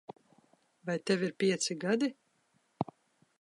Vai tev ir pieci gadi?